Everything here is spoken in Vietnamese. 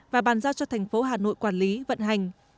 và bàn giao cho thành phố hà nội quản lý vận hành